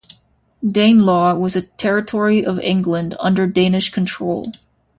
Danelaw was a territory of England under Danish control.